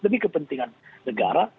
demi kepentingan negara